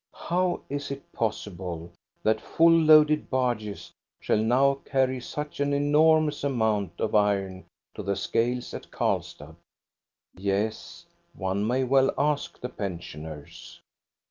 How is it possible that full loaded barges shall now carry such an enormous amount of iron to the scales at Karlstad ? Yes, one may well ask the pensioners.